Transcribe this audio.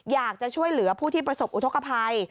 อยากจะช่วยเหลือผู้ที่ประสบอุทธกภัย